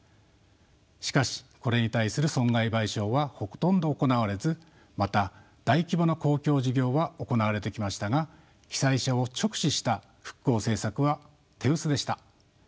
しかしこれに対する損害賠償はほとんど行われずまた大規模な公共事業は行われてきましたが被災者を直視した復興政策は手薄でした。